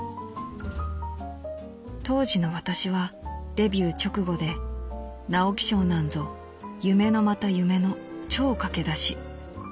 「当時の私はデビュー直後で直木賞なんぞ夢のまた夢の超駆け出し。